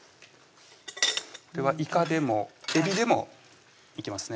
これはいかでもえびでもいけますね